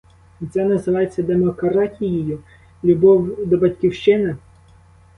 І це називається демократією, любов до батьківщини?